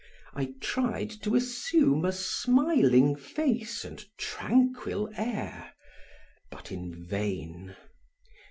I tried to assume a smiling face and tranquil air, but in vain.